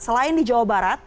selain di jawa barat